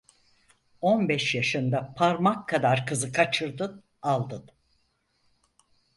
On beş yaşında, parmak kadar kızı kaçırdın, aldın…